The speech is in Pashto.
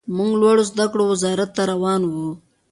موږ لوړو زده کړو وزارت ته روان وو.